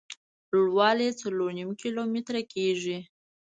لوړ والی یې څلور نیم کیلومتره کېږي.